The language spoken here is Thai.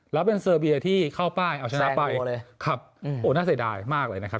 แล้วเป็นเซอร์เบียที่เข้าป้ายเอาชนะไปครับโอ้น่าเสียดายมากเลยนะครับ